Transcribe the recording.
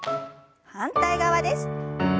反対側です。